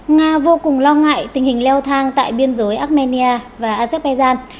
nga vô cùng lo ngại tình hình leo thang tại biên giới armenia và azerbaijan